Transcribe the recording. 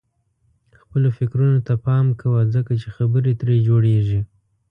خپلو فکرونو ته پام کوه ځکه چې خبرې ترې جوړيږي.